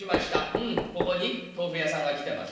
うん『ここに豆腐屋さんが来てます？』